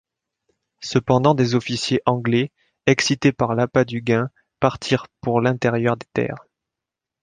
Cependant des officiers anglais, excités par l'appât du gain partirent pour l'intérieur des terres.